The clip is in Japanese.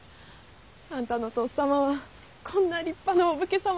あんたのとっさまはこんな立派なお武家様になって。